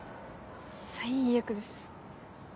最悪です。